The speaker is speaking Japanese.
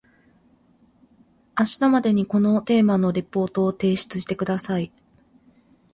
明日までにこのテーマのリポートを提出してください